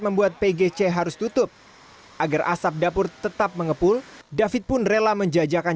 membuat pgc harus tutup agar asap dapur tetap mengepul david pun rela menjajakan